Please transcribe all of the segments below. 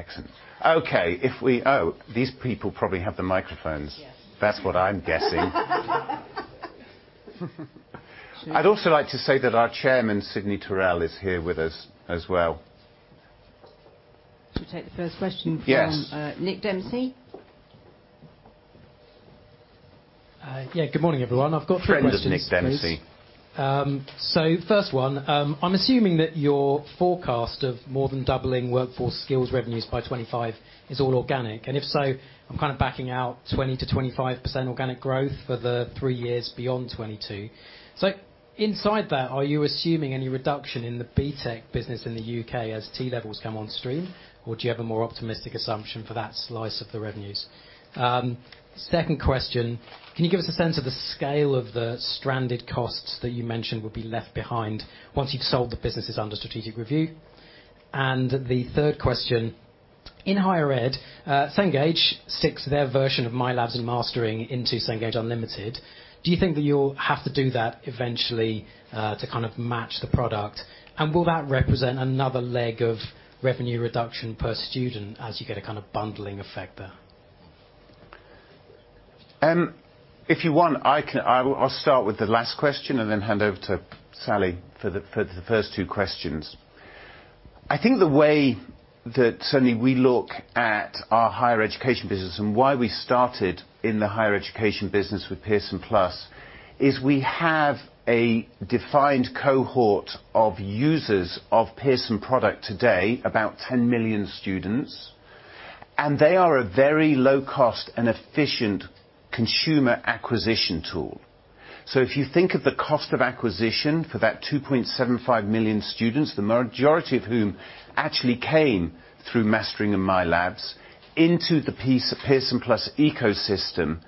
Excellent. Okay. These people probably have the microphones. Yes. That's what I'm guessing. I'd also like to say that our Chairman, Sidney Taurel, is here with us as well. Should we take the first question from Yes. Nick Dempsey? Yeah, good morning, everyone. I've got three questions, please. Friend of Nick Dempsey. First one, I'm assuming that your forecast of more than doubling Workforce Skills revenues by 2025 is all organic. If so, I'm kinda backing out 20%-25% organic growth for the three years beyond 2022. Inside that, are you assuming any reduction in the BTEC business in the U.K. as T Levels come on stream, or do you have a more optimistic assumption for that slice of the revenues? Second question, can you give us a sense of the scale of the stranded costs that you mentioned would be left behind once you'd sold the businesses under strategic review? The third question, in higher ed, Cengage sticks their version of MyLab and Mastering into Cengage Unlimited. Do you think that you'll have to do that eventually, to kind of match the product? Will that represent another leg of revenue reduction per student as you get a kinda bundling effect there? If you want, I'll start with the last question and then hand over to Sally for the first two questions. I think the way that certainly we look at our higher education business and why we started in the higher education business with Pearson+ is we have a defined cohort of users of Pearson product today, about 10 million students, and they are a very low cost and efficient consumer acquisition tool. If you think of the cost of acquisition for those 2.75 million students, the majority of whom actually came through Mastering and MyLab into the Pearson+ ecosystem,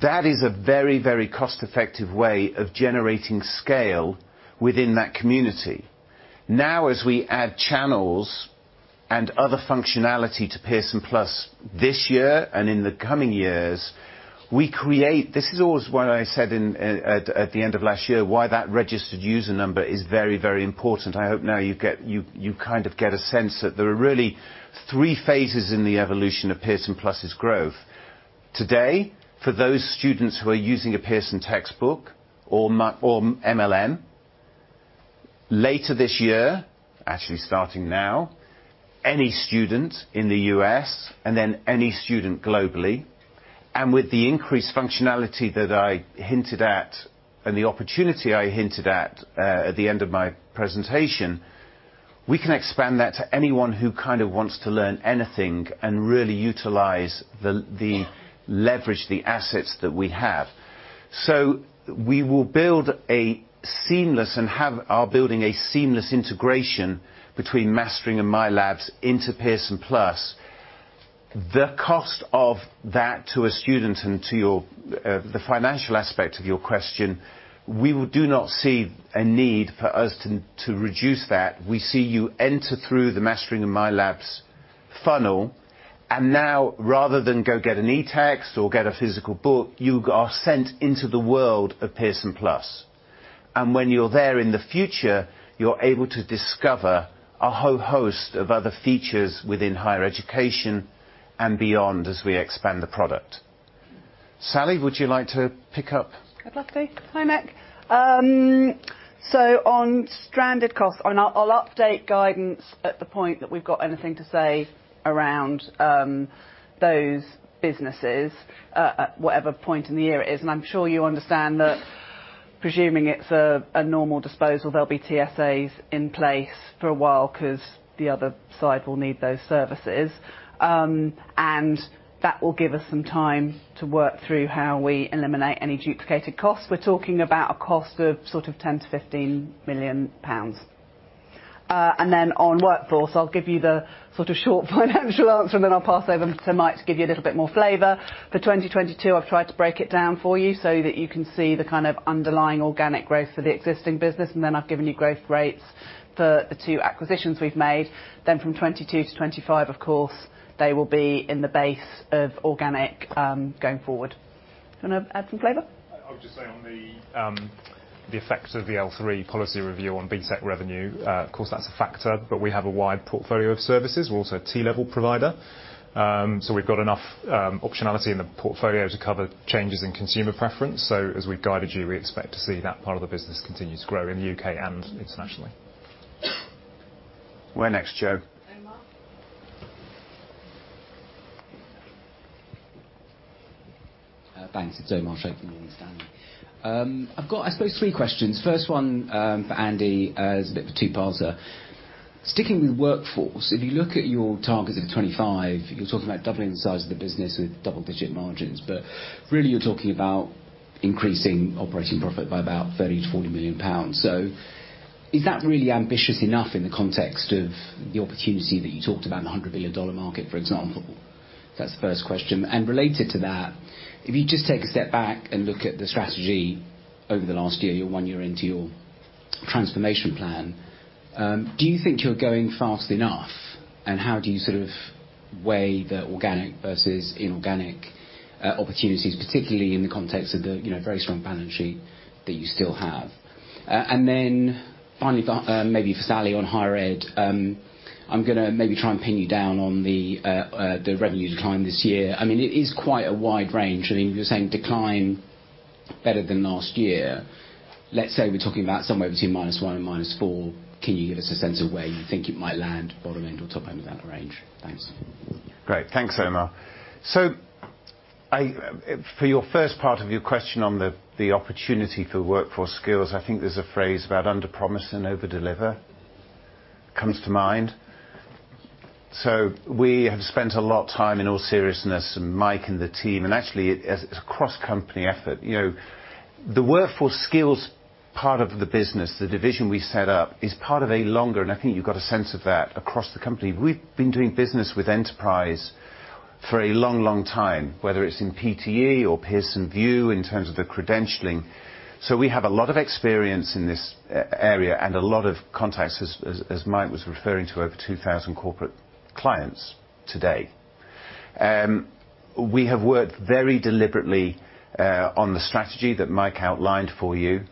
that is a very, very cost-effective way of generating scale within that community. Now as we add channels and other functionality to Pearson+ this year and in the coming years, we create... This is always why I said at the end of last year why that registered user number is very important. I hope now you kind of get a sense that there are really three phases in the evolution of Pearson+'s growth. Today, for those students who are using a Pearson textbook or MLM, later this year, actually starting now, any student in the U.S. and then any student globally, and with the increased functionality that I hinted at and the opportunity I hinted at the end of my presentation, we can expand that to anyone who kinda wants to learn anything and really utilize the leverage, the assets that we have. We are building a seamless integration between Mastering and MyLab into Pearson+. The cost of that to a student and to your, the financial aspect of your question, we do not see a need for us to reduce that. We see you enter through the Mastering and MyLab funnel, and now, rather than go get an eText or get a physical book, you are sent into the world of Pearson+. When you're there in the future, you're able to discover a whole host of other features within higher education and beyond as we expand the product. Sally, would you like to pick up? Good luck to you. Hi, Nick. On stranded costs, I'll update guidance at the point that we've got anything to say around those businesses at whatever point in the year it is. I'm sure you understand that presuming it's a normal disposal, there'll be TSAs in place for a while 'cause the other side will need those services. That will give us some time to work through how we eliminate any duplicated costs. We're talking about a cost of sort of 10 million-15 million pounds. On Workforce, I'll give you the sort of short financial answer, and then I'll pass over to Mike to give you a little bit more flavor. For 2022, I've tried to break it down for you so that you can see the kind of underlying organic growth for the existing business, and then I've given you growth rates for the two acquisitions we've made. From 2022 to 2025, of course, they will be in the base of organic, going forward. Do you wanna add some flavor? I'll just say on the effects of the Level 3 policy review on BTEC revenue, of course, that's a factor, but we have a wide portfolio of services. We're also a T Levels provider. We've got enough optionality in the portfolio to cover changes in consumer preference. As we guided you, we expect to see that part of the business continue to grow in the U.K. and internationally. Where next, Jo? Thanks. It's Omar Sheikh from Morgan Stanley. I've got, I suppose, three questions. First one, for Andy, it's a bit of a two-parter. Sticking with Workforce, if you look at your targets at 2025, you're talking about doubling the size of the business with double-digit margins. Really, you're talking about increasing operating profit by about 30 million-40 million pounds. Is that really ambitious enough in the context of the opportunity that you talked about in the $100 billion market, for example? That's the first question. Related to that, if you just take a step back and look at the strategy over the last year, you're one year into your transformation plan, do you think you're going fast enough? And how do you sort of- Weigh the organic versus inorganic opportunities, particularly in the context of the, you know, very strong balance sheet that you still have. Then finally, maybe for Sally on higher ed. I'm gonna maybe try and pin you down on the revenue decline this year. I mean, it is quite a wide range. I mean, you're saying decline better than last year. Let's say we're talking about somewhere between -1% and -4%. Can you give us a sense of where you think it might land, bottom end or top end of that range? Thanks. Great. Thanks, Omar. For your first part of your question on the opportunity for Workforce Skills, I think there's a phrase about underpromise and overdeliver comes to mind. We have spent a lot of time, in all seriousness, and Mike and the team, and actually as a cross-company effort. You know, the Workforce Skills part of the business, the division we set up, is part of a longer, and I think you've got a sense of that across the company. We've been doing business with enterprise for a long time, whether it's in PTE or Pearson VUE in terms of the credentialing. We have a lot of experience in this area and a lot of contacts, as Mike was referring to, over 2,000 corporate clients today. We have worked very deliberately on the strategy that Mike outlined for you.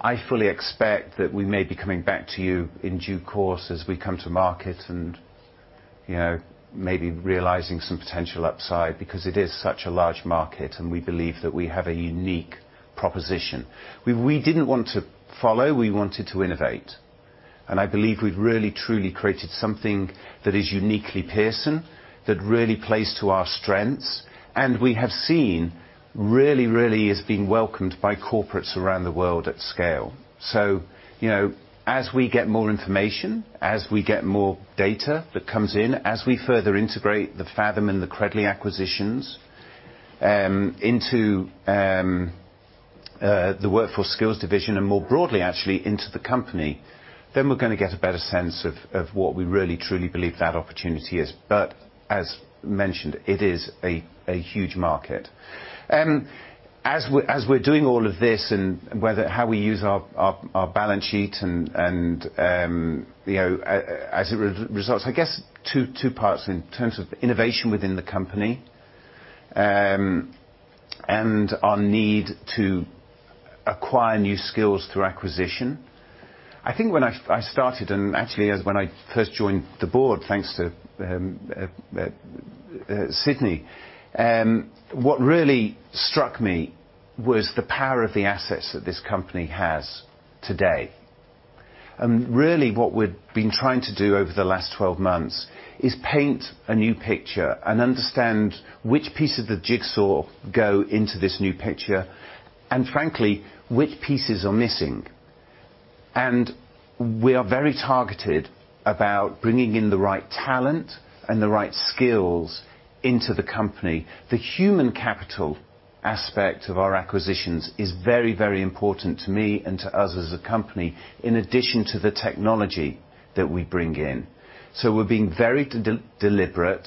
I fully expect that we may be coming back to you in due course as we come to market and, you know, maybe realizing some potential upside because it is such a large market, and we believe that we have a unique proposition. We didn't want to follow, we wanted to innovate. I believe we've really truly created something that is uniquely Pearson, that really plays to our strengths, and we have seen really is being welcomed by corporates around the world at scale. You know, as we get more information, as we get more data that comes in, as we further integrate the Faethm and the Credly acquisitions into the Workforce Skills division, and more broadly actually into the company, then we're gonna get a better sense of what we really truly believe that opportunity is. As mentioned, it is a huge market. As we're doing all of this and how we use our balance sheet and you know as it relates, I guess, two parts in terms of innovation within the company and our need to acquire new skills through acquisition. I think when I started, and actually when I first joined the board, thanks to Sidney, what really struck me was the power of the assets that this company has today. Really what we've been trying to do over the last 12 months is paint a new picture and understand which pieces of the jigsaw go into this new picture, and frankly, which pieces are missing. We are very targeted about bringing in the right talent and the right skills into the company. The human capital aspect of our acquisitions is very, very important to me and to us as a company, in addition to the technology that we bring in. We're being very deliberate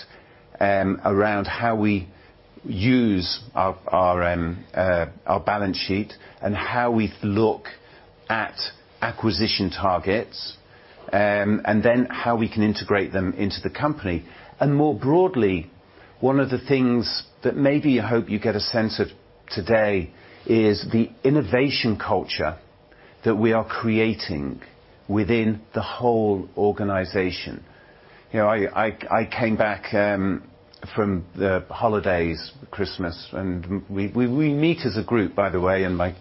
around how we use our balance sheet and how we look at acquisition targets, and then how we can integrate them into the company. More broadly, one of the things that maybe I hope you get a sense of today is the innovation culture that we are creating within the whole organization. You know, I came back from the holidays, Christmas, and we meet as a group, by the way, and my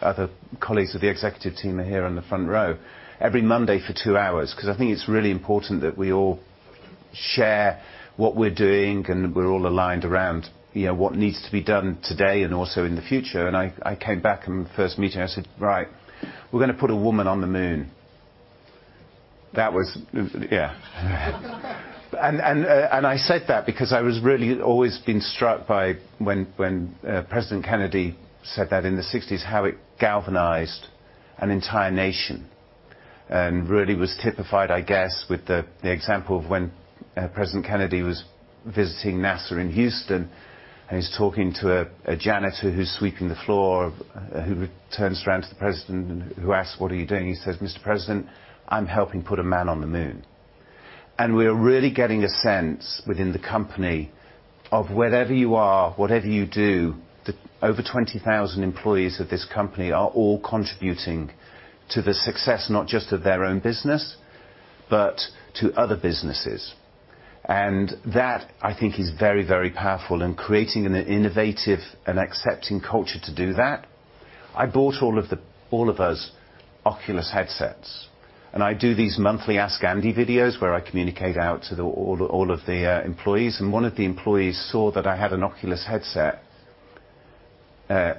other colleagues of the executive team are here on the front row every Monday for two hours, 'cause I think it's really important that we all share what we're doing and we're all aligned around, you know, what needs to be done today and also in the future. I came back in the first meeting, I said, "Right, we're gonna put a woman on the moon." That was, yeah. I said that because I was really always been struck by when President Kennedy said that in the 60s, how it galvanized an entire nation. Really was typified, I guess, with the example of when President Kennedy was visiting NASA in Houston, and he's talking to a janitor who's sweeping the floor, who turns around to the president and who asks, "What are you doing?" He says, "Mr. President, I'm helping put a man on the moon." We're really getting a sense within the company of wherever you are, whatever you do, the over 20,000 employees of this company are all contributing to the success, not just of their own business, but to other businesses. That, I think, is very, very powerful in creating an innovative and accepting culture to do that. I bought all of us Oculus headsets, and I do these monthly Ask Andy videos where I communicate out to the employees, and one of the employees saw that I had an Oculus headset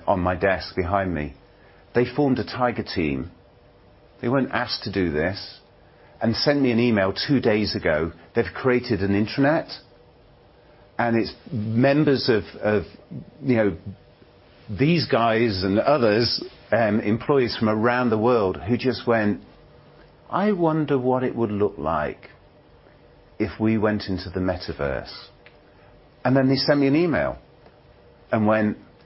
on my desk behind me. They formed a tiger team. They weren't asked to do this, and sent me an email two days ago. They've created an intranet, and its members of you know these guys and others, employees from around the world who just went, "I wonder what it would look like if we went into the metaverse." Then they sent me an email.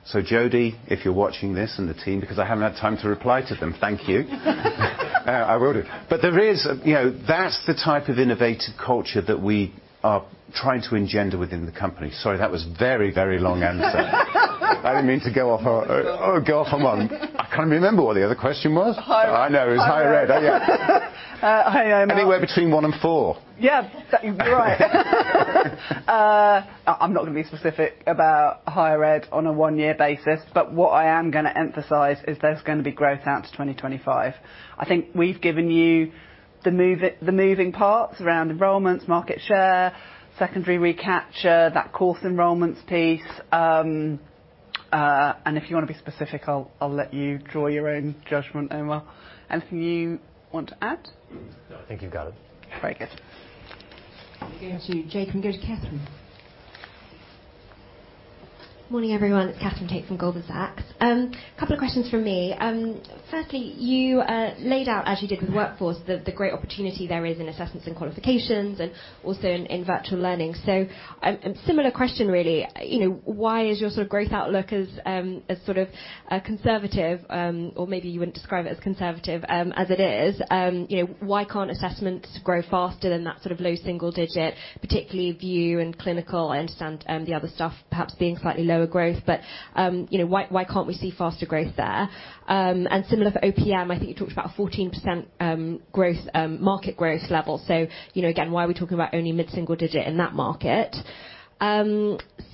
Jody, if you're watching this, and the team, because I haven't had time to reply to them, thank you. I will do. There is, you know, that's the type of innovative culture that we are trying to engender within the company. Sorry, that was a very, very long answer. I didn't mean to go off on one. I can't remember what the other question was. Higher- I know it was higher ed. Oh, yeah. Hi, Omar. Anywhere between one and four. Yeah. Right. I'm not gonna be specific about higher ed on a one-year basis, but what I am gonna emphasize is there's gonna be growth out to 2025. I think we've given you the moving parts around enrollments, market share, secondary recapture, that course enrollments piece. If you wanna be specific, I'll let you draw your own judgment, Omar. Anything you want to add? No. I think you got it. Very good. Going to Jake and go to Katherine. Morning, everyone. It's Katherine Tait from Goldman Sachs. A couple of questions from me. Firstly, you laid out, as you did with workforce, the great opportunity there is in assessments and qualifications and also in virtual learning. Similar question, really, you know, why is your sort of growth outlook as sort of conservative, or maybe you wouldn't describe it as conservative, as it is? You know, why can't assessments grow faster than that sort of low single-digit, particularly VUE and clinical? I understand the other stuff perhaps being slightly lower growth, but you know, why can't we see faster growth there? Similar for OPM, I think you talked about 14% growth, market growth level. You know, again, why are we talking about only mid-single digit in that market?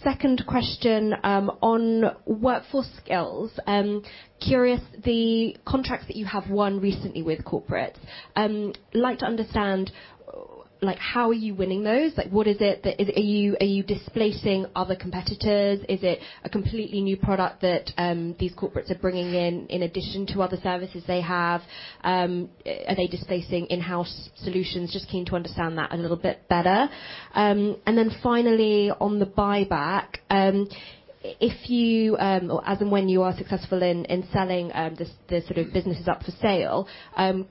Second question on Workforce Skills. Curious, the contracts that you have won recently with corporate, like to understand, like how are you winning those? Like, what is it that are you displacing other competitors? Is it a completely new product that these corporates are bringing in in addition to other services they have? Are they displacing in-house solutions? Just keen to understand that a little bit better. Finally, on the buyback, if you as and when you are successful in selling the sort of businesses up for sale,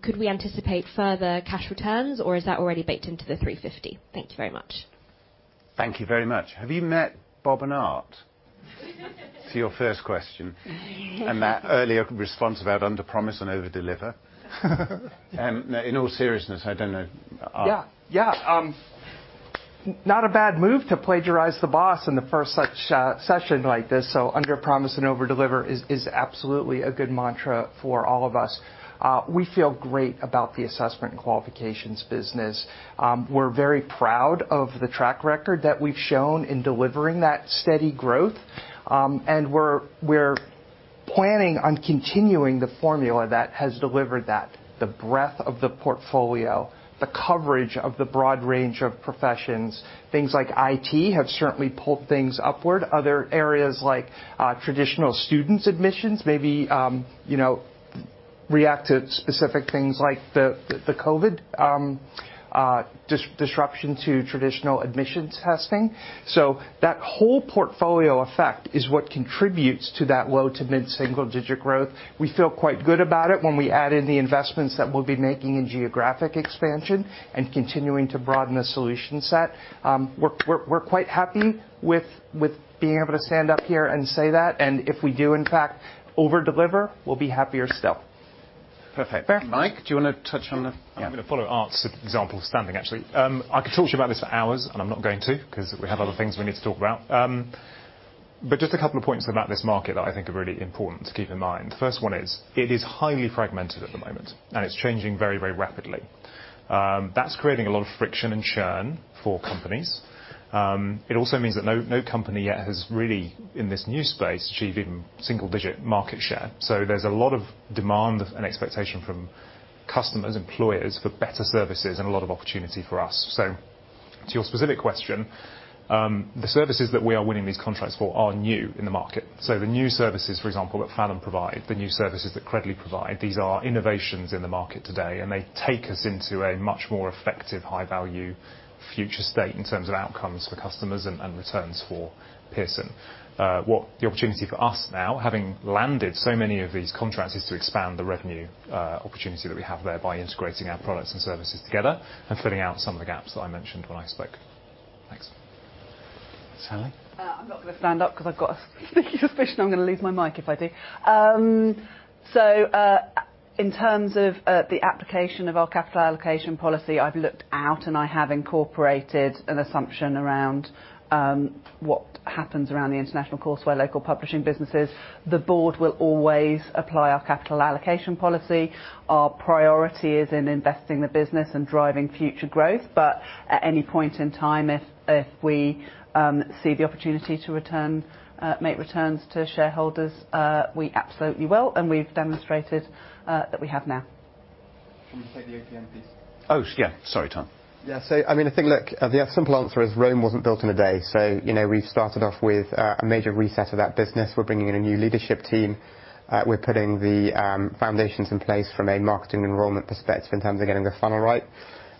could we anticipate further cash returns, or is that already baked into the 350? Thank you very much. Thank you very much. Have you met Bob and Art? To your first question. That earlier response about under promise and overdeliver. In all seriousness, I don't know. Art? Yeah. Yeah, not a bad move to plagiarize the boss in the first such session like this. Under promise and overdeliver is absolutely a good mantra for all of us. We feel great about the assessment and qualifications business. We're very proud of the track record that we've shown in delivering that steady growth. We're planning on continuing the formula that has delivered that, the breadth of the portfolio, the coverage of the broad range of professions. Things like IT have certainly pulled things upward. Other areas like traditional students admissions maybe you know react to specific things like the COVID disruption to traditional admissions testing. That whole portfolio effect is what contributes to that low to mid-single digit growth. We feel quite good about it when we add in the investments that we'll be making in geographic expansion and continuing to broaden the solution set. We're quite happy with being able to stand up here and say that. If we do, in fact, overdeliver, we'll be happier still. Perfect. Mike, do you wanna touch on the- Yeah. Yeah. I'm gonna follow Art's example standing, actually. I could talk to you about this for hours, and I'm not going to, 'cause we have other things we need to talk about. Just a couple of points about this market that I think are really important to keep in mind. The first one is, it is highly fragmented at the moment, and it's changing very, very rapidly. That's creating a lot of friction and churn for companies. It also means that no company yet has really, in this new space, achieved even single digit market share. There's a lot of demand and expectation from customers, employers for better services and a lot of opportunity for us. To your specific question, the services that we are winning these contracts for are new in the market. The new services, for example, that Faethm provide, the new services that Credly provide, these are innovations in the market today, and they take us into a much more effective, high-value future state in terms of outcomes for customers and returns for Pearson. What the opportunity for us now, having landed so many of these contracts, is to expand the revenue opportunity that we have there by integrating our products and services together and filling out some of the gaps that I mentioned when I spoke. Thanks. Sally? I'm not gonna stand up 'cause I've got a sneaky suspicion I'm gonna leave my mic if I do. In terms of the application of our capital allocation policy, I've laid out, and I have incorporated an assumption around what happens around the international courseware where local publishing business is. The board will always apply our capital allocation policy. Our priority is in investing the business and driving future growth. At any point in time, if we see the opportunity to return, make returns to shareholders, we absolutely will, and we've demonstrated that we have now. Can we stay the OPM, please? Oh, yeah. Sorry, Tom. Yeah. I mean, I think, look, the simple answer is Rome wasn't built in a day. You know, we've started off with a major reset of that business. We're bringing in a new leadership team. We're putting the foundations in place from a marketing enrollment perspective in terms of getting the funnel right.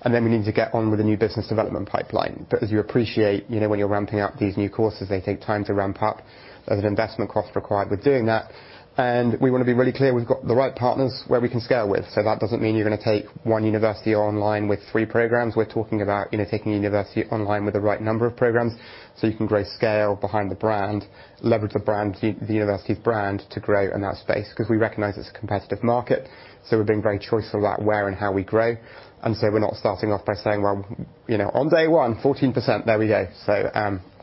Then we need to get on with the new business development pipeline. As you appreciate, you know, when you're ramping up these new courses, they take time to ramp up. There's an investment cost required with doing that. We want to be really clear we've got the right partners where we can scale with. That doesn't mean you're gonna take one university online with three programs. We're talking about, you know, taking a university online with the right number of programs, so you can grow scale behind the brand, leverage the brand, the university's brand, to grow in that space, 'cause we recognize it's a competitive market, so we're being very choice about where and how we grow. We're not starting off by saying, well, you know, on day one, 14%, there we go.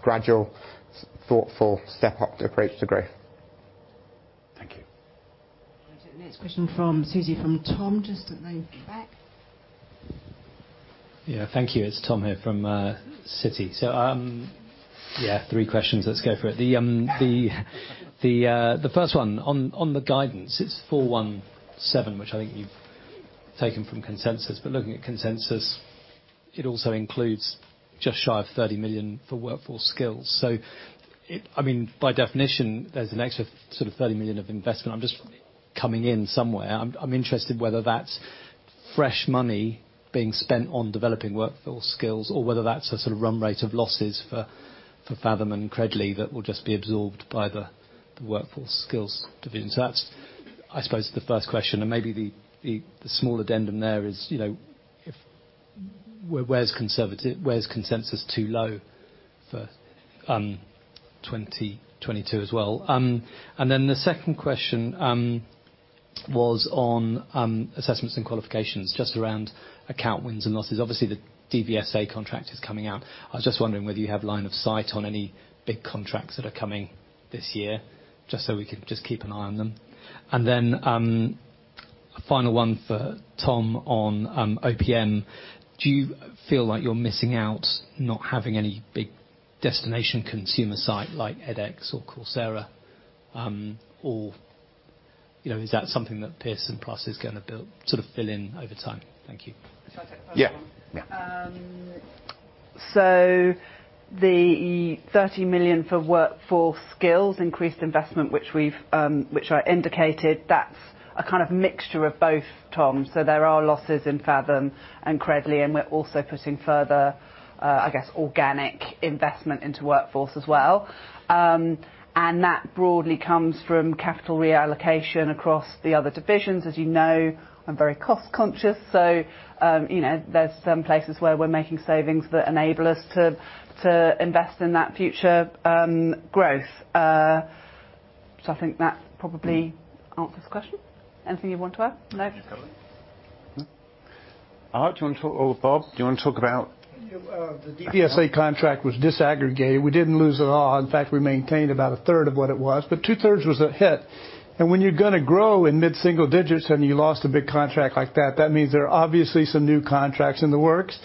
Gradual, thoughtful, step-up approach to growth. Thank you. Next question from Susie, from Tom, just at the back. Yeah. Thank you. It's Tom here from Citi. Yeah, three questions. Let's go for it. The first one, on the guidance, it's 417, which I think you've taken from consensus. But looking at consensus, it also includes just shy of 30 million for Workforce Skills. So, it. I mean, by definition, there's an extra sort of 30 million of investment. I'm just coming in somewhere. I'm interested whether that's fresh money being spent on developing Workforce Skills, or whether that's a sort of run rate of losses for Faethm and Credly that will just be absorbed by the Workforce Skills division. That's, I suppose, the first question, and maybe the small addendum there is, you know, where consensus too low for 2022 as well? The second question was on assessments and qualifications, just around account wins and losses. Obviously, the DVSA contract is coming out. I was just wondering whether you have line of sight on any big contracts that are coming this year, just so we can just keep an eye on them. A final one for Tom on OPM. Do you feel like you're missing out not having any big destination consumer site like edX or Coursera? Or, you know, is that something that Pearson+ is gonna build, sort of fill in over time? Thank you. Shall I take the first one? Yeah. Yeah. The 30 million for Workforce Skills increased investment, which I indicated, that's a kind of mixture of both, Tom. There are losses in Faethm and Credly, and we're also putting further, I guess, organic investment into Workforce as well. That broadly comes from capital reallocation across the other divisions. As you know, I'm very cost-conscious, so, you know, there's some places where we're making savings that enable us to invest in that future growth. I think that probably answers the question. Anything you'd want to add? No. Bob, do you wanna talk about? Yeah, the DVSA contract was disaggregated. We didn't lose it all. In fact, we maintained about a third of what it was, but two-thirds was a hit. When you're gonna grow in mid-single digits and you lost a big contract like that means there are obviously some new contracts in the works.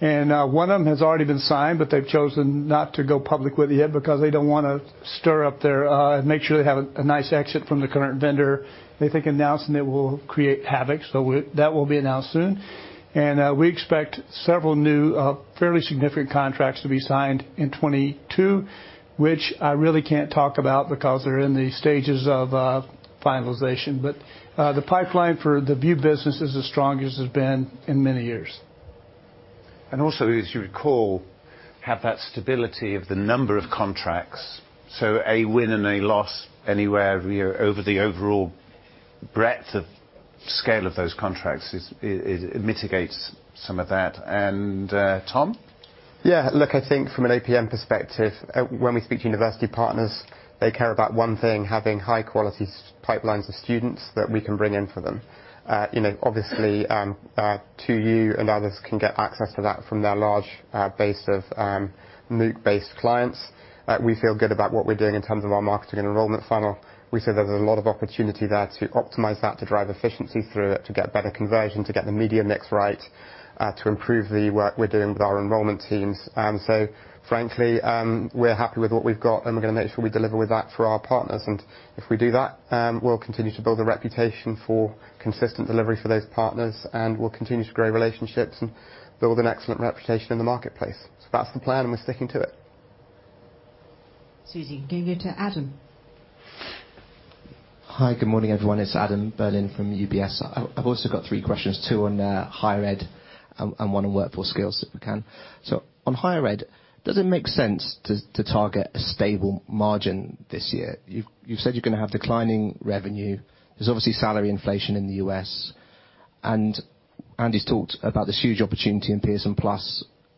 One of them has already been signed, but they've chosen not to go public with it yet because they don't wanna stir up their, make sure they have a nice exit from the current vendor. They think announcing it will create havoc. That will be announced soon. We expect several new fairly significant contracts to be signed in 2022, which I really can't talk about because they're in the stages of finalization. The pipeline for the VUE business is as strong as it's been in many years. As you recall, have that stability of the number of contracts. A win and a loss anywhere over the overall breadth of scale of those contracts is it mitigates some of that. Tom? Yeah. Look, I think from an OPM perspective, when we speak to university partners, they care about one thing, having high quality pipelines of students that we can bring in for them. You know, obviously, 2U and others can get access to that from their large base of MOOC-based clients. We feel good about what we're doing in terms of our marketing and enrollment funnel. We see there's a lot of opportunity there to optimize that, to drive efficiency through it, to get better conversion, to get the media mix right, to improve the work we're doing with our enrollment teams. Frankly, we're happy with what we've got, and we're gonna make sure we deliver with that for our partners. If we do that, we'll continue to build a reputation for consistent delivery for those partners, and we'll continue to grow relationships and build an excellent reputation in the marketplace. That's the plan, and we're sticking to it. Susie, going over to Adam. Hi, good morning, everyone. It's Adam Berlin from UBS. I've also got three questions, two on higher ed and one on Workforce Skills, if we can. On higher ed, does it make sense to target a stable margin this year? You've said you're gonna have declining revenue. There's obviously salary inflation in the U.S. Andy's talked about this huge opportunity in Pearson+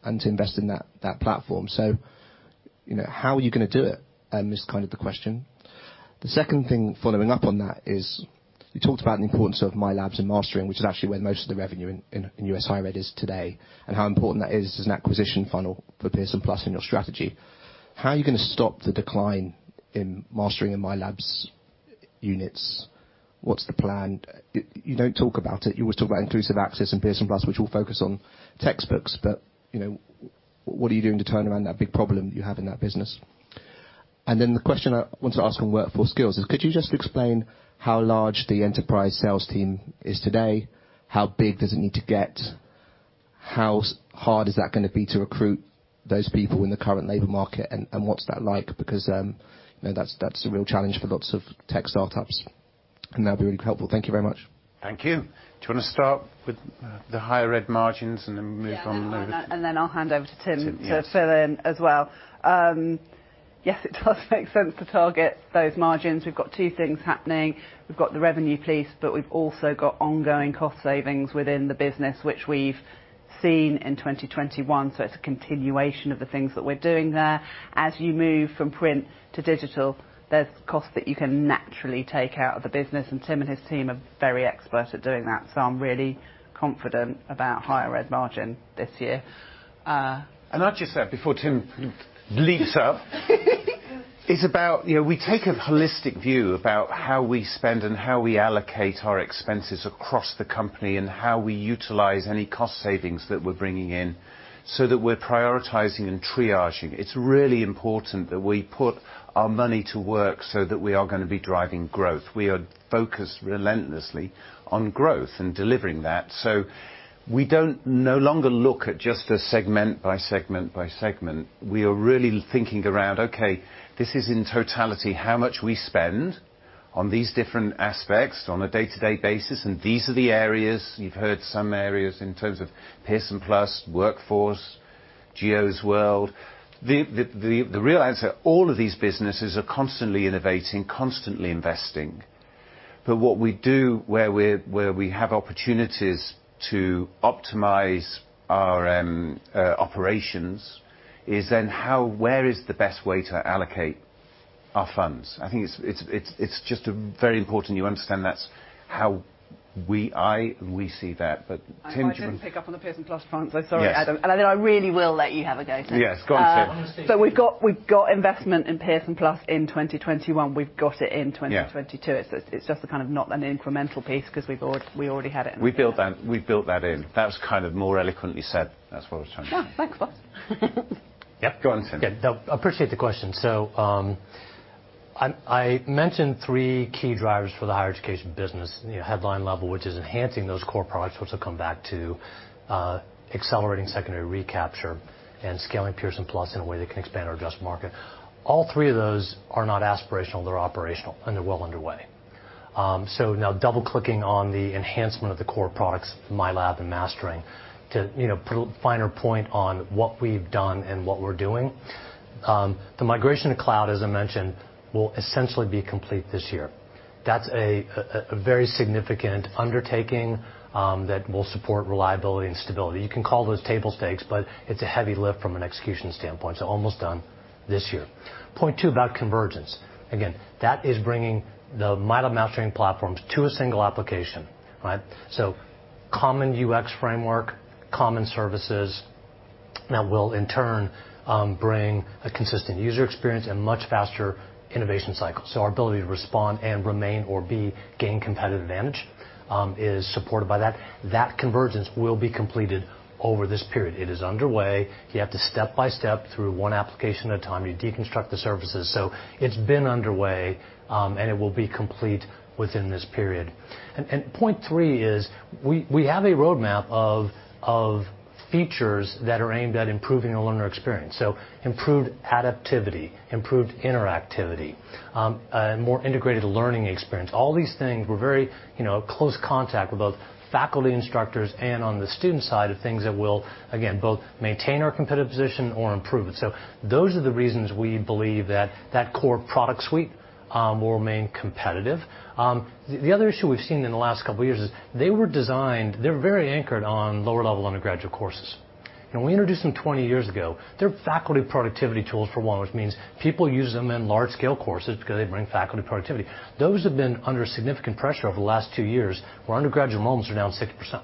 and to invest in that platform. You know, how are you gonna do it? Is kind of the question. The second thing following up on that is you talked about the importance of MyLab and Mastering, which is actually where most of the revenue in U.S. higher ed is today, and how important that is as an acquisition funnel for Pearson+ in your strategy. How are you gonna stop the decline in Mastering and MyLab units? What's the plan? You don't talk about it. You always talk about Inclusive Access and Pearson+, which will focus on textbooks. But, you know, what are you doing to turn around that big problem you have in that business? And then the question I want to ask on Workforce Skills is, could you just explain how large the enterprise sales team is today? How big does it need to get? How hard is that gonna be to recruit those people in the current labor market, and what's that like? Because, you know, that's a real challenge for lots of tech startups. That'd be really helpful. Thank you very much. Thank you. Do you wanna start with the higher ed margins, and then move on over- Yeah. I'll hand over to Tim. Tim, yes. Yes, it does make sense to target those margins. We've got two things happening. We've got the revenue piece, but we've also got ongoing cost savings within the business, which we've seen in 2021, so it's a continuation of the things that we're doing there. As you move from print to digital, there's costs that you can naturally take out of the business, and Tim and his team are very expert at doing that. So, I'm really confident about higher ed margin this year. I'll just add before Tim leads up. It's about, you know, we take a holistic view about how we spend and how we allocate our expenses across the company, and how we utilize any cost savings that we're bringing in so that we're prioritizing and triaging. It's really important that we put our money to work so that we are gonna be driving growth. We are focused relentlessly on growth and delivering that. We don't no longer look at just a segment by segment by segment. We are really thinking around, okay, this is in totality how much we spend on these different aspects on a day-to-day basis, and these are the areas, you've heard some areas in terms of Pearson+, Workforce, Geo's world. The real answer, all of these businesses are constantly innovating, constantly investing. what we do where we have opportunities to optimize our operations is then how, where is the best way to allocate our funds? I think it's just a very important you understand that's how we see that, but Tim- I didn't pick up on the Pearson+ front, so sorry, Adam. Yes. I really will let you have a go, Tim. Yes. Go on, Tim. We've got investment in Pearson+ in 2021. We've got it in 2022. Yeah. It's just a kind of not an incremental piece 'cause we already had it in 2021. We built that in. That was kind of more eloquently said as what I was trying to say. Yeah. Thanks, boss. Yeah. Go on, Tim. Yeah. No, appreciate the question. I mentioned three key drivers for the higher education business. You know, headline level, which is enhancing those core products, which I'll come back to, accelerating secondary recapture and scaling Pearson+ in a way that can expand our addressable market. All three of those are not aspirational, they're operational, and they're well underway. Now double-clicking on the enhancement of the core products, MyLab and Mastering, to you know, put a finer point on what we've done and what we're doing. The migration to cloud, as I mentioned, will essentially be complete this year. That's a very significant undertaking that will support reliability and stability. You can call those table stakes, but it's a heavy lift from an execution standpoint, so almost done this year. Point two about convergence. Again, that is bringing the MyLab & Mastering platforms to a single application, right? Common UX framework, common services that will in turn bring a consistent user experience and much faster innovation cycle. Our ability to respond and remain or gain competitive advantage is supported by that. That convergence will be completed over this period. It is underway. You have to step-by-step through one application at a time. You deconstruct the services. It's been underway, and it will be complete within this period. Point three is we have a roadmap of features that are aimed at improving the learner experience. Improved adaptivity, improved interactivity, a more integrated learning experience. All these things were very, you know, close contact with both faculty instructors and on the student side of things that will, again, both maintain our competitive position or improve it. Those are the reasons we believe that core product suite will remain competitive. The other issue we've seen in the last couple years is they were designed. They're very anchored on lower level undergraduate courses. When we introduced them 20 years ago, they're faculty productivity tools for one, which means people use them in large scale courses because they bring faculty productivity. Those have been under significant pressure over the last two years, where undergraduate enrollments are down 6%,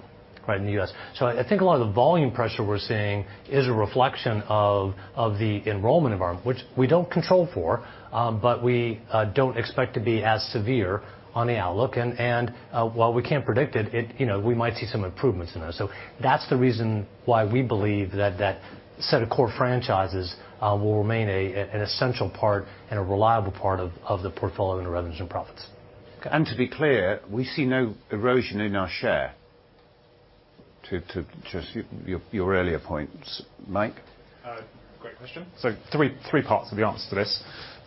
right, in the U.S. I think a lot of the volume pressure we're seeing is a reflection of the enrollment environment, which we don't control for, but we don't expect to be as severe on the outlook. While we can't predict it, you know, we might see some improvements in those. That's the reason why we believe that set of core franchises will remain an essential part and a reliable part of the portfolio in the revenues and profits. To be clear, we see no erosion in our share. To just your earlier points. Mike? Great question. Three parts of the answer to this.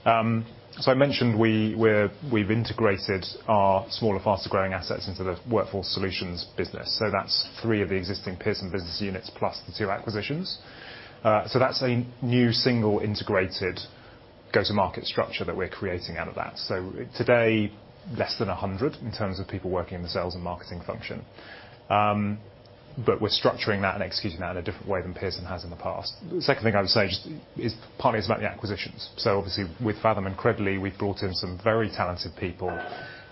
I mentioned we've integrated our smaller, faster growing assets into the Workforce Solutions business. That's three of the existing Pearson business units plus the two acquisitions. That's a new single integrated go-to-market structure that we're creating out of that. Today, less than 100 in terms of people working in the sales and marketing function. But we're structuring that and executing that in a different way than Pearson has in the past. The second thing I would say just is partly about the acquisitions. Obviously with Faethm and Credly, we've brought in some very talented people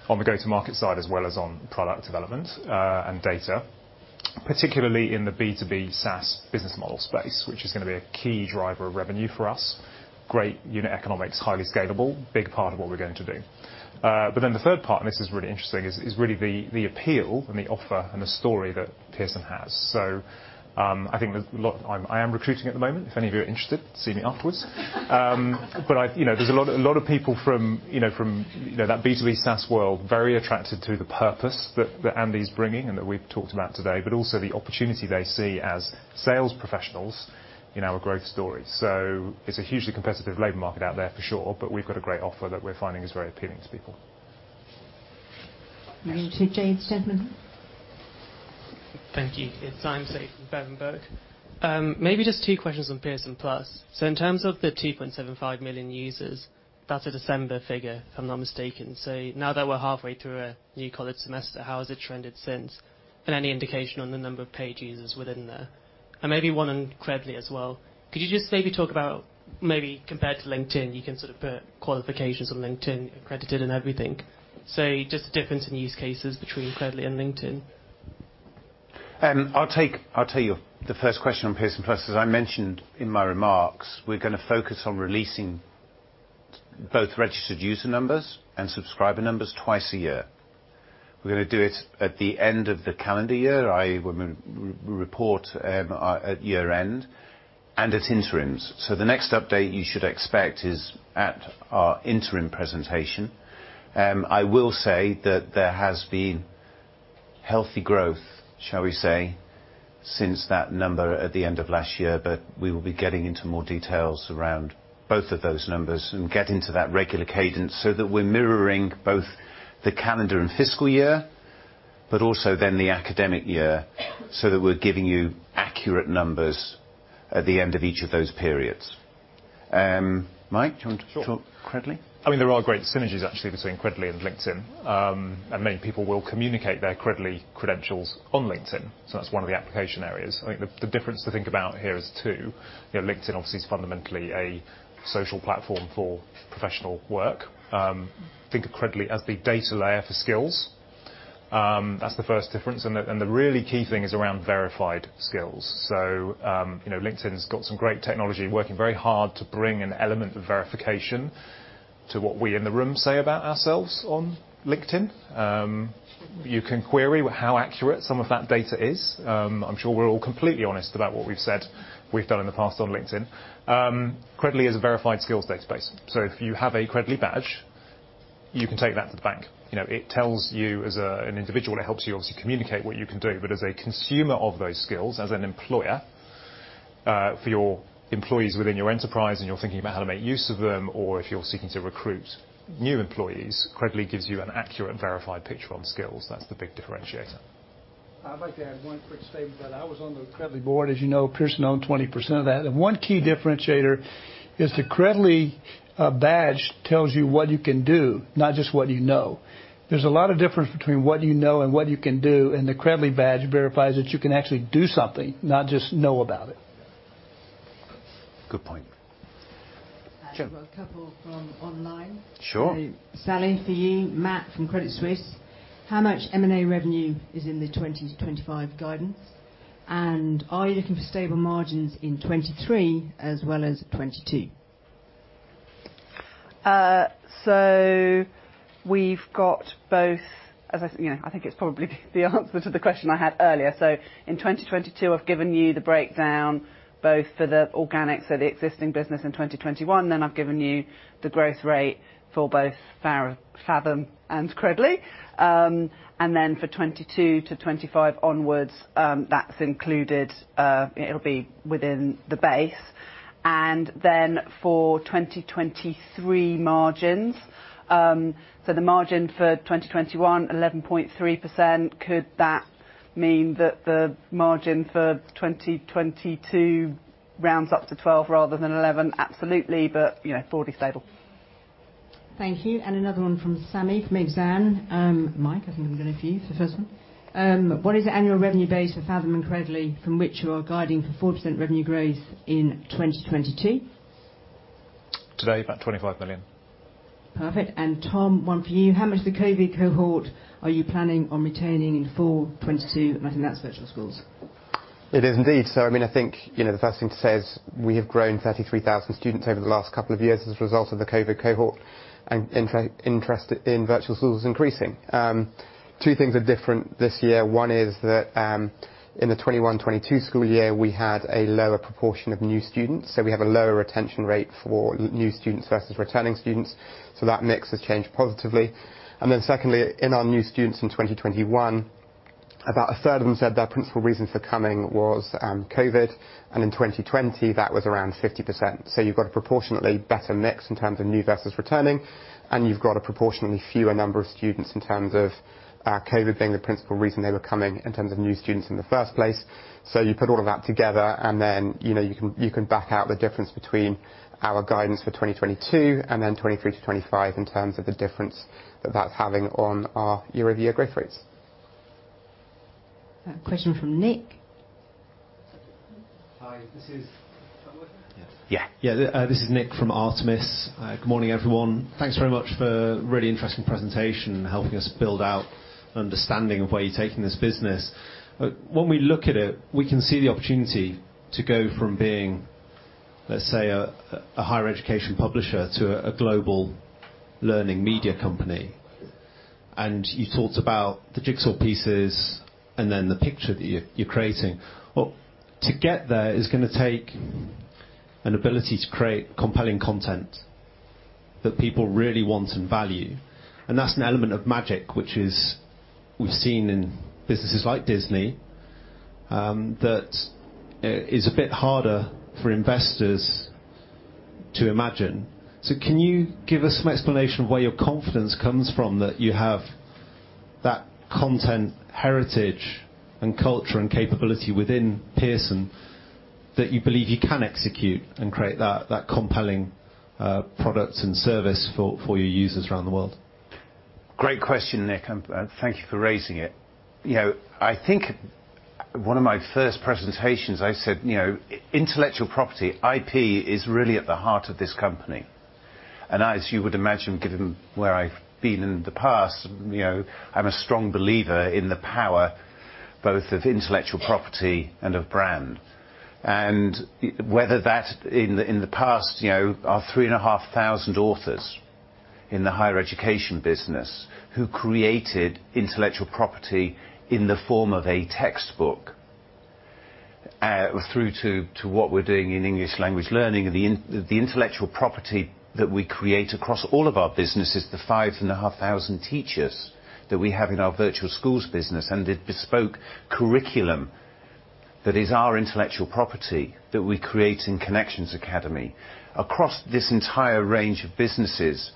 on the go-to-market side as well as on product development, and data, particularly in the B2B SaaS business model space, which is gonna be a key driver of revenue for us. Great unit economics, highly scalable, big part of what we're going to do. The third part, and this is really interesting, is really the appeal and the offer and the story that Pearson has. I think there's a lot. I am recruiting at the moment. If any of you are interested, see me afterwards. You know, there's a lot of people from, you know, that B2B SaaS world, very attracted to the purpose that Andy's bringing and that we've talked about today, but also the opportunity they see as sales professionals in our growth story. It's a hugely competitive labor market out there for sure, but we've got a great offer that we're finding is very appealing to people. Over to Jade Stedman. Thank you. It's Jade from Berenberg. Maybe just two questions on Pearson+. In terms of the 2.75 million users, that's a December figure, if I'm not mistaken. Now that we're halfway through a new college semester, how has it trended since? And any indication on the number of paid users within there? Maybe one on Credly as well. Could you just maybe talk about, maybe compared to LinkedIn, you can sort of put qualifications on LinkedIn, accredited and everything. Just the difference in use cases between Credly and LinkedIn. I'll tell you the first question on Pearson+. As I mentioned in my remarks, we're gonna focus on releasing both registered user numbers and subscriber numbers twice a year. We're gonna do it at the end of the calendar year, i.e., we're reporting at year-end and at interims. The next update you should expect is at our interim presentation. I will say that there has been healthy growth, shall we say, since that number at the end of last year, but we will be getting into more details around both of those numbers and get into that regular cadence, so that we're mirroring both the calendar and fiscal year, but also then the academic year, so that we're giving you accurate numbers at the end of each of those periods. Mike, do you want to talk Credly? Sure. I mean, there are great synergies actually between Credly and LinkedIn. Many people will communicate their Credly credentials on LinkedIn, so that's one of the application areas. I think the difference to think about here is two. You know, LinkedIn obviously is fundamentally a social platform for professional work. Think of Credly as the data layer for skills. That's the first difference. The really key thing is around verified skills. You know, LinkedIn's got some great technology, working very hard to bring an element of verification to what we in the room say about ourselves on LinkedIn. You can query how accurate some of that data is. I'm sure we're all completely honest about what we've said we've done in the past on LinkedIn. Credly is a verified skills database. If you have a Credly badge, you can take that to the bank. You know, it tells you as an individual, it helps you obviously communicate what you can do. But as a consumer of those skills, as an employer, for your employees within your enterprise, and you're thinking about how to make use of them, or if you're seeking to recruit new employees, Credly gives you an accurate verified picture on skills. That's the big differentiator. I'd like to add one quick statement that I was on the Credly board. As you know, Pearson owned 20% of that. One key differentiator is the Credly badge tells you what you can do, not just what you know. There's a lot of difference between what you know and what you can do, and the Credly badge verifies that you can actually do something, not just know about it. Good point. Jo. We've a couple from online. Sure. Sally, for you, Matt from Credit Suisse. How much M&A revenue is in the 2020 to 2025 guidance? And are you looking for stable margins in 2023 as well as 2022? We've got both. You know, I think it's probably the answer to the question I had earlier. In 2022, I've given you the breakdown both for the organic, the existing business in 2021, then I've given you the growth rate for both Faethm and Credly. And then for 2022 to 2025 onwards, that's included. It'll be within the base. For 2023 margins, the margin for 2021, 11.3%, could that mean that the margin for 2022 rounds up to 12% rather than 11%? Absolutely. You know, broadly stable. Thank you. Another one from Sammy from Exane. Mike, I think I'm gonna give you the first one. What is the annual revenue base for Faethm and Credly from which you are guiding for 4% revenue growth in 2022? Today, about 25 million. Perfect. Tom, one for you. How much of the COVID cohort are you planning on retaining in full 2022? I think that's Virtual Schools. It is indeed. I mean, I think, you know, the first thing to say is we have grown 33,000 students over the last couple of years as a result of the COVID cohort, and interest in Virtual Schools is increasing. Two things are different this year. One is that, in the 2021-2022 school year, we had a lower proportion of new students, so we have a lower retention rate for new students versus returning students. That mix has changed positively. Then secondly, in our new students in 2021, about a third of them said their principal reason for coming was COVID. And in 2020, that was around 50%. You've got a proportionately better mix in terms of new versus returning, and you've got a proportionately fewer number of students in terms of, COVID being the principal reason they were coming in terms of new students in the first place. You put all of that together, and then, you know, you can back out the difference between our guidance for 2022 and then 2023 to 2025 in terms of the difference that that's having on our year-over-year growth rates. A question from Nick. Hi, this is Am I working? Yes. Yeah. Yeah. This is Nick from Artemis. Good morning, everyone. Thanks very much for a really interesting presentation and helping us build out understanding of where you're taking this business. When we look at it, we can see the opportunity to go from being, let's say, a higher education publisher to a global learning media company. You talked about the jigsaw pieces and then the picture that you're creating. Well, to get there is gonna take an ability to create compelling content that people really want and value. That's an element of magic, which is we've seen in businesses like Disney, that is a bit harder for investors. Can you give us some explanation of where your confidence comes from, that you have that content, heritage, and culture and capability within Pearson that you believe you can execute and create that compelling product and service for your users around the world? Great question, Nick, and thank you for raising it. You know, I think one of my first presentations, I said, you know, intellectual property, IP, is really at the heart of this company. As you would imagine, given where I've been in the past, you know, I'm a strong believer in the power both of intellectual property and of brand. Whether that's in the past, you know, our 3,500 authors in the higher education business who created intellectual property in the form of a textbook, through to what we're doing in English language learning. The intellectual property that we create across all of our businesses, the 5,500 teachers that we have in our Virtual Schools business, and the bespoke curriculum that is our intellectual property that we create in Connections Academy. Across this entire range of businesses,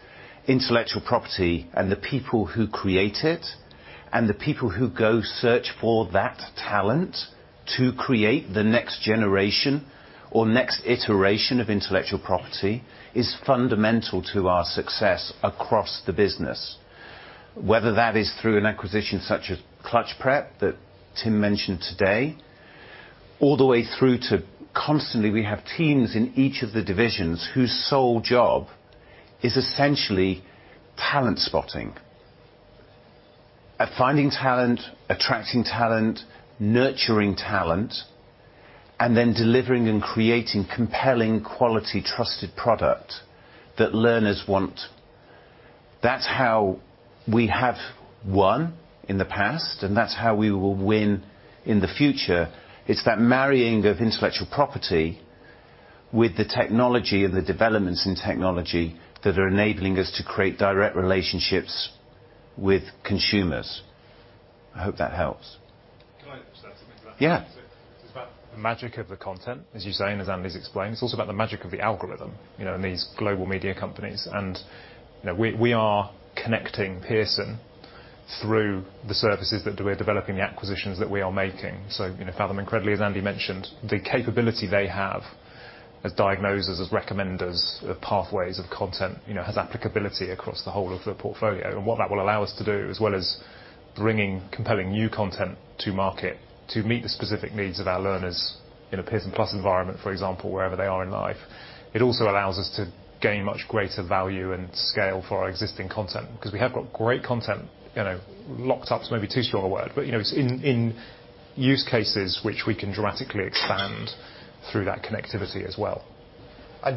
intellectual property and the people who create it, and the people who go search for that talent to create the next generation or next iteration of intellectual property, is fundamental to our success across the business. Whether that is through an acquisition such as Clutch Prep that Tim mentioned today, all the way through to constantly we have teams in each of the divisions whose sole job is essentially talent spotting at finding talent, attracting talent, nurturing talent, and then delivering and creating compelling, quality, trusted product that learners want. That's how we have won in the past, and that's how we will win in the future. It's that marrying of intellectual property with the technology and the developments in technology that are enabling us to create direct relationships with consumers. I hope that helps. Can I just add something to that? Yeah. It's about the magic of the content, as you say, and as Andy's explained. It's also about the magic of the algorithm, you know, in these global media companies. You know, we are connecting Pearson through the services that we're developing, the acquisitions that we are making. You know, Faethm incredibly as Andy mentioned, the capability they have as diagnosers, as recommenders of pathways of content, you know, has applicability across the whole of the portfolio. What that will allow us to do, as well as bringing compelling new content to market to meet the specific needs of our learners in a Pearson+ environment, for example, wherever they are in life. It also allows us to gain much greater value and scale for our existing content, because we have got great content, you know, locked up is maybe too strong a word, but, you know, it's in use cases which we can dramatically expand through that connectivity as well.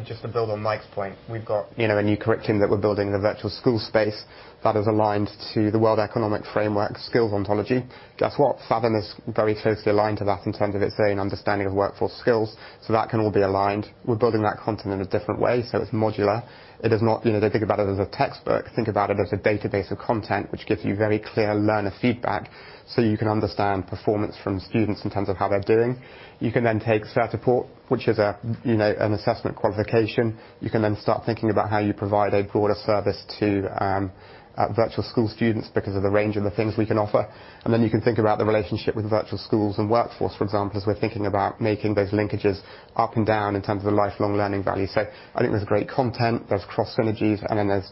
Just to build on Mike's point, we've got, you know, a new curriculum that we're building in the virtual school space that is aligned to the World Economic Forum skills ontology. Guess what? Faethm is very closely aligned to that in terms of its own understanding of Workforce Skills, so that can all be aligned. We're building that content in a different way, so it's modular. It is not, you know, they think about it as a textbook, think about it as a database of content which gives you very clear learner feedback, so you can understand performance from students in terms of how they're doing. You can then take Certiport, which is a, you know, an assessment qualification. You can then start thinking about how you provide a broader service to virtual school students because of the range of the things we can offer. You can think about the relationship with Virtual Schools and workforce, for example, as we're thinking about making those linkages up and down in terms of the lifelong learning value. I think there's great content, there's cross synergies, and then there's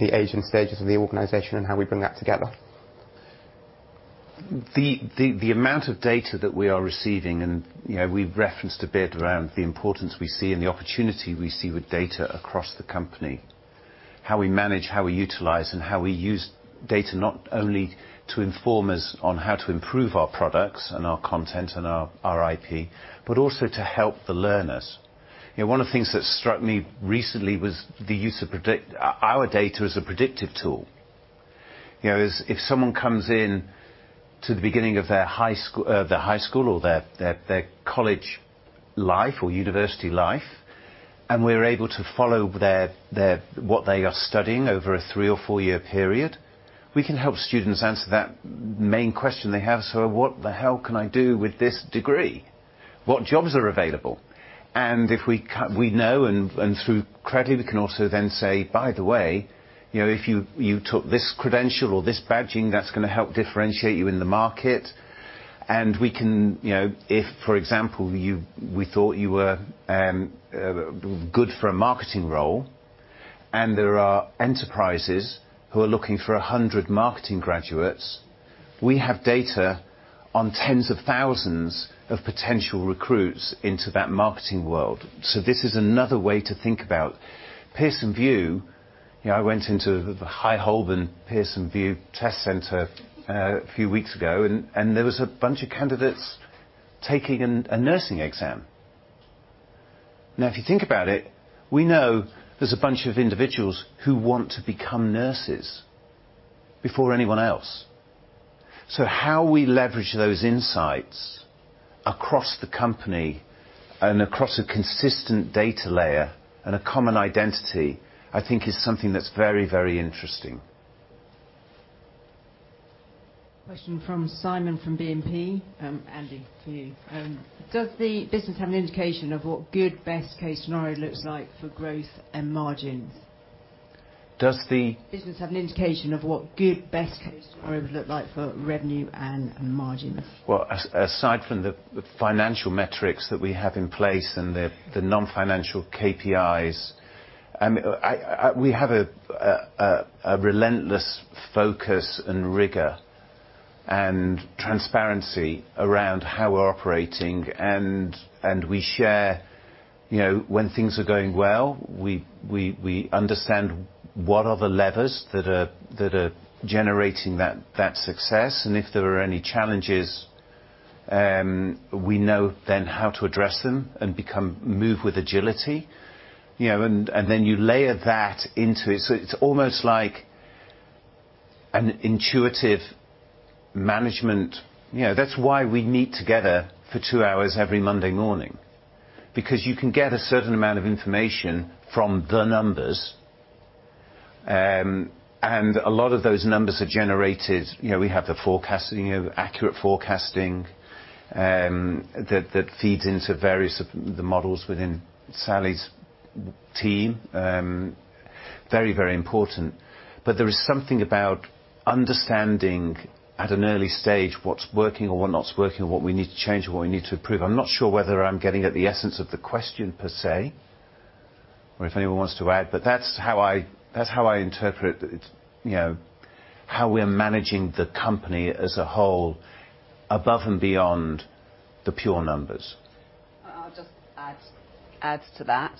the aging stages of the organization and how we bring that together. The amount of data that we are receiving and, you know, we've referenced a bit around the importance we see and the opportunity we see with data across the company. How we manage, how we utilize, and how we use data not only to inform us on how to improve our products and our content and our IP, but also to help the learners. You know, one of the things that struck me recently was the use of our data as a predictive tool. You know, is if someone comes into the beginning of their high school or their college life or university life, and we're able to follow their what they are studying over a three or four-year period. We can help students answer that main question they have. What the hell can I do with this degree? What jobs are available? If we know, and through credit, we can also then say, "By the way, you know, if you took this credential or this badging, that's gonna help differentiate you in the market." We can, you know, if, for example, we thought you were good for a marketing role, and there are enterprises who are looking for 100 marketing graduates, we have data on tens of thousands of potential recruits into that marketing world. This is another way to think about Pearson VUE. You know, I went into the High Holborn Pearson VUE test center a few weeks ago, and there was a bunch of candidates taking a nursing exam. Now, if you think about it, we know there's a bunch of individuals who want to become nurses before anyone else. How we leverage those insights across the company and across a consistent data layer and a common identity, I think is something that's very, very interesting. Question from Simon, from BNP. Andy, to you. Does the business have an indication of what good best case scenario looks like for growth and margins? Does the- Businesses have an indication of what good, best case scenario would look like for revenue and margins. Well, aside from the financial metrics that we have in place and the non-financial KPIs, we have a relentless focus and rigor and transparency around how we're operating. We share, you know, when things are going well. We understand what are the levers that are generating that success. If there are any challenges, we know then how to address them and move with agility. You know, then you layer that into it. It's almost like an intuitive management. You know, that's why we meet together for two hours every Monday morning, because you can get a certain amount of information from the numbers. A lot of those numbers are generated. You know, we have the forecasting, you know, accurate forecasting, that feeds into various of the models within Sally's team. Very, very important. There is something about understanding at an early stage what's working or what not working, and what we need to change and what we need to improve. I'm not sure whether I'm getting at the essence of the question per se or if anyone wants to add, but that's how I interpret it. It's, you know, how we're managing the company as a whole above and beyond the pure numbers. I'll just add to that,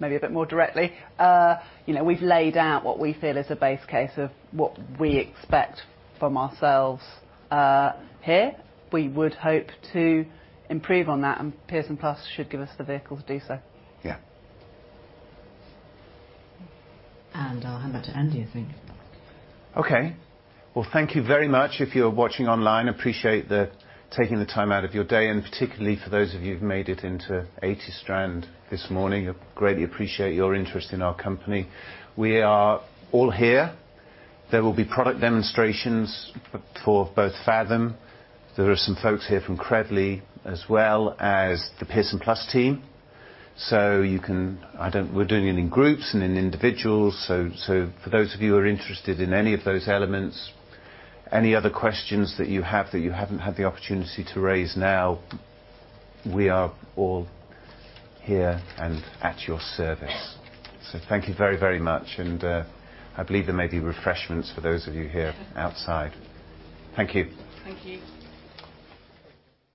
maybe a bit more directly. You know, we've laid out what we feel is a base case of what we expect from ourselves, here. We would hope to improve on that, and Pearson+ should give us the vehicle to do so. Yeah. I'll hand back to Andy, I think. Okay. Well, thank you very much. If you're watching online, appreciate taking the time out of your day, and particularly for those of you who've made it into 80 Strand this morning. I greatly appreciate your interest in our company. We are all here. There will be product demonstrations for both Faethm. There are some folks here from Credly as well as the Pearson+ team. So, you can. We're doing it in groups and in individuals. So, for those of you who are interested in any of those elements, any other questions that you have that you haven't had the opportunity to raise now, we are all here and at your service. So, thank you very, very much. I believe there may be refreshments for those of you here outside. Thank you. Thank you.